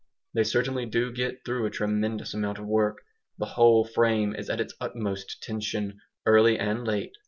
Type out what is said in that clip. They certainly do get through a tremendous amount of work. The whole frame is at its utmost tension, early and late.